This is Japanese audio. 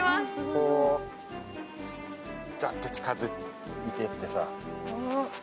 こう、ザッと近づいていってさ。